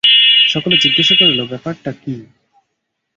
সকলে জিজ্ঞাসা করিল, ব্যাপারটা কী?